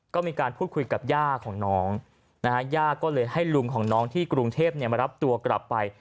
ก็มีการพูดคุยกับย่าของน้องนะฮะย่าก็เลยให้ลุงของน้องที่กรุงเทพมารับตัวกลับไป